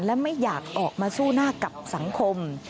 และไม่อยากออกมาสู้หน้ากับสังคม